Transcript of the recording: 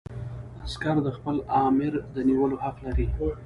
عسکر د خپل آمر د نیولو حق لري.